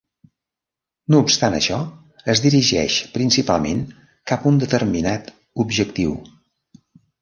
No obstant això, es dirigeix principalment cap a un determinat, objectiu.